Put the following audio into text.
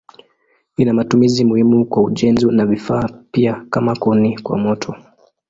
Ina matumizi muhimu kwa ujenzi na vifaa pia kama kuni kwa moto.